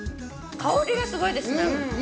香りがすごいですね。